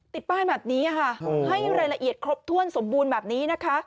ติดป้ายแบบนี้ค่ะให้รายละเอียดครบถ้วนสมบูรณ์แบบนี้นะคะ